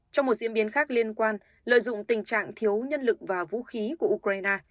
trong một diễn biến khác liên quan lợi dụng tình trạng thiếu nhân lực và vũ khí của ukraine